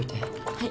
はい。